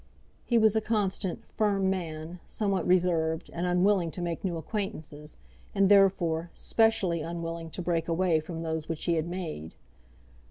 He was a constant, firm man, somewhat reserved, and unwilling to make new acquaintances, and, therefore, specially unwilling to break away from those which he had made.